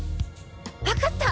わかった！